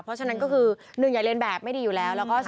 เพราะฉะนั้นก็คือหนึ่งอย่าเรียนแบบไม่ดีอยู่แล้ว